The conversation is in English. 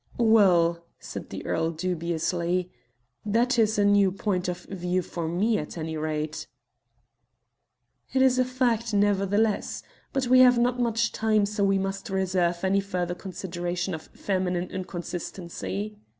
"Well," said the earl dubiously, "that is a new point of view for me at any rate." "It is a fact nevertheless. But we have not much time, so we must reserve any further consideration of feminine inconsistency.